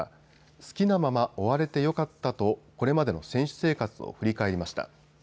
好きなまま終われてよかったとこれまでの選手生活を振り返りました。